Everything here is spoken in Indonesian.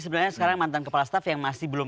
sebenarnya sekarang mantan kepala staff yang masih belum